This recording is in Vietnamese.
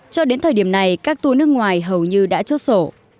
cho đến thời điểm này các tour nước ngoài hầu như đã chốt sổ